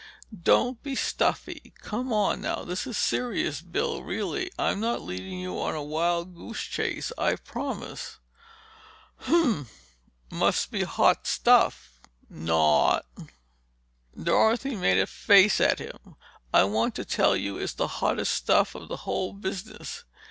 "Don't be stuffy! Come on, now. This is serious, Bill, really, I'm not leading you on a wild goose chase, I promise you." "Humph! It must be hot stuff—not!" Dorothy made a face at him. "I want to tell you it's the hottest stuff of the whole business.